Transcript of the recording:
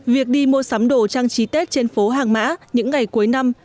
việc đi mua sắm đồ trang trí tết trên phố hàng mã những ngày cuối năm